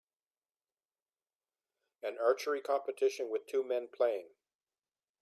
an archery competition with two men playing